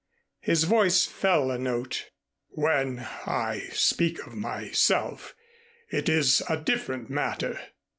His voice fell a note. "When I speak of myself it is a different matter.